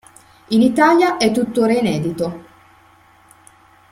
In Italia è tuttora inedito.